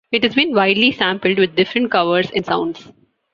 It has been widely sampled, with different covers and sounds.